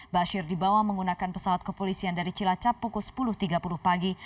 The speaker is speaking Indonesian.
bashir dibawa menggunakan pesawat kepolisian dari cilacap pukul sepuluh tiga puluh pagi